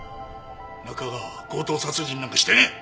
中川は強盗殺人なんかしてねえ！